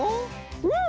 うん。